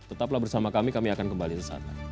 tetaplah bersama kami kami akan kembali sesaat lagi